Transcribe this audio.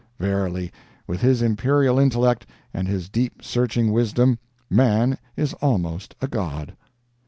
Verily, with his imperial intellect and his deep searching wisdom, man is almost a God!